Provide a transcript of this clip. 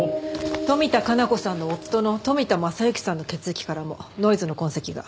富田加奈子さんの夫の富田正之さんの血液からもノイズの痕跡が。